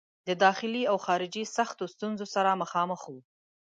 د داخلي او خارجي سختو ستونزو سره مخامخ وو.